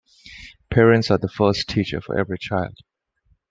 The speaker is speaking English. Parents are the first teacher for every child.